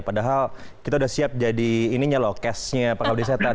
padahal kita udah siap jadi ininya loh cast nya pengabdi setan